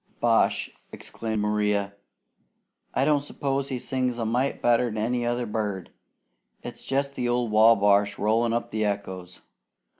"Bosh!" exclaimed Maria. "I don't s'pose he sings a mite better 'an any other bird. It's jest the old Wabash rollin' up the echoes.